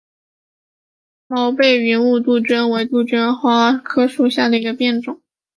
毛背云雾杜鹃为杜鹃花科杜鹃属下的一个变种。